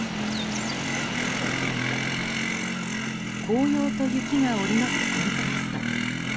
紅葉と雪が織りなすコントラスト。